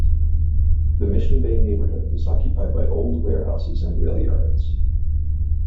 The Mission Bay neighborhood was occupied by old warehouses and rail yards.